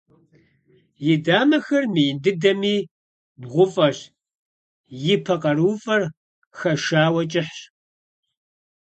И дамэхэр мыин дыдэми, бгъуфӀэщ, и пэ къарууфӀэр хэшауэ кӀыхьщ.